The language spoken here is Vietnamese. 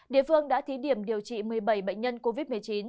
địa phương đã thí điểm điều trị một mươi bảy bệnh nhân covid một mươi chín